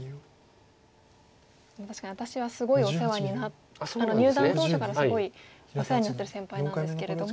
確かに私はすごいお世話に入段当初からすごいお世話になってる先輩なんですけれども。